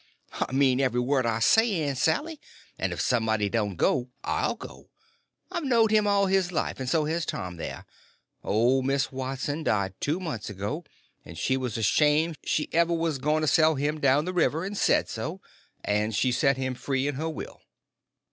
"I mean every word I say, Aunt Sally, and if somebody don't go, I'll go. I've knowed him all his life, and so has Tom, there. Old Miss Watson died two months ago, and she was ashamed she ever was going to sell him down the river, and said so; and she set him free in her will."